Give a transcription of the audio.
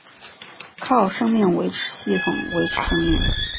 靠生命维持系统维持生命。